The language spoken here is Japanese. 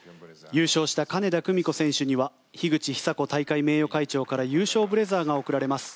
優勝した金田選手には樋口久子大会名誉会長から優勝ブレザーが贈られます。